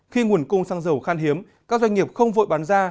khi nguồn cung xăng dầu khan hiếm các doanh nghiệp không vội bán ra